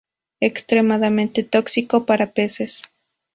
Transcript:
Extremadamente tóxico para peces.